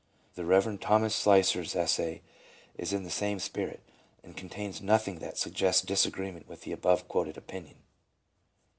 The Eev. Thomas Slicer's essay is in the same spirit, and contains nothing that suggests disagreement with the above quoted opinion.